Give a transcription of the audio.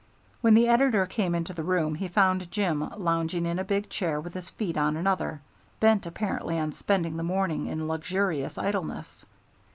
When the editor came into the room he found Jim lounging in a big chair with his feet on another, bent apparently on spending the morning in luxurious idleness.